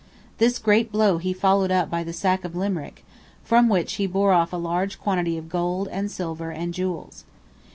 This great blow he followed up by the sack of Limerick, from which "he bore off a large quantity of gold, and silver, and jewels."